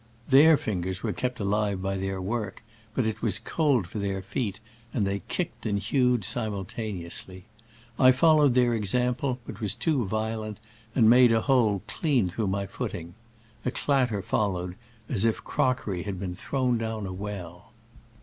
Tkeir fingers were kept alive by their work, but it was cold for their feet, and they kicked and hewed simultaneously. I followed their example, but was too vio lent, and made a hole clean through my footing. A clatter followed as if crock ery had been thrown down a well.